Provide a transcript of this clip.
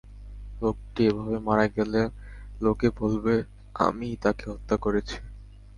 লোকটি এভাবে মারা গেলে লোকে বলবে আমিই তাকে হত্যা করেছি।